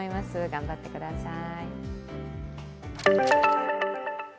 頑張ってください。